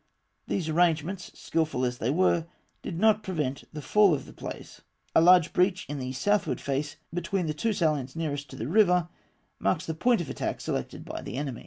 These arrangements, skilful as they were, did not prevent the fall of the place. A large breach in the southward face, between the two salients nearest to the river, marks the point of attack selected by the enemy.